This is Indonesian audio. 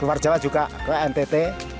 luar jawa juga ke ntt